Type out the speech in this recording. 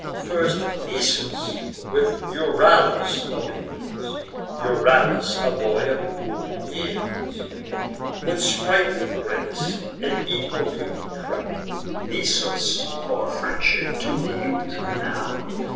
First Nisus, with Euryalus, appears; Euryalus a boy of blooming years, With sprightly grace and equal beauty crown'd; Nisus, for friendship to the youth renown'd.